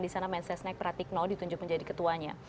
di sana mensesnek pratikno ditunjuk menjadi ketuanya